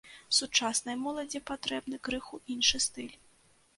Сучаснай моладзі патрэбны крыху іншы стыль.